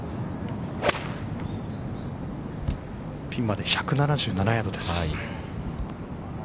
◆ピンまで１７７ヤードです。